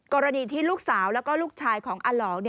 กรณีที่ลูกสาวแล้วก็ลูกชายของอลอง